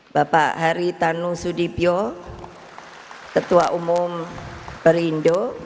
bapak haritanu sudipyo ketua umum perindo